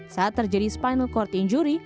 saat terjadi spinal court injury